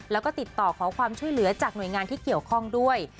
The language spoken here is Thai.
แล้วก็ติดต่อขอความช่วยเหลือจากหน่วยงานที่เกี่ยวข้องด้วย